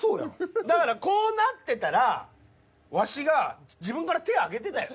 だからこうなってたらワシが自分から手上げてたよ。